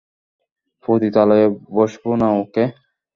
পতিতালয়ে বসাবো না ওকে।